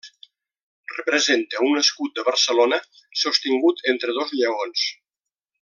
Representa un escut de Barcelona sostingut entre dos lleons.